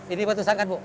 ini batu sanggan bu